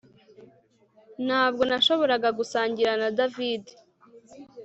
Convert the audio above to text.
Ntabwo nashoboraga gusangira na David